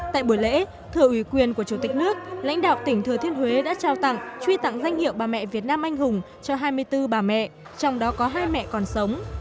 tại buổi lễ thưa ủy quyền của chủ tịch nước lãnh đạo tỉnh thừa thiên huế đã trao tặng truy tặng danh hiệu bà mẹ việt nam anh hùng cho hai mươi bốn bà mẹ trong đó có hai mẹ còn sống